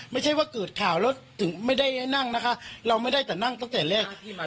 ไม่ใช่ว่าเกิดข่าวแล้วถึงไม่ได้ให้นั่งนะคะเราไม่ได้แต่นั่งตั้งแต่แรกที่มา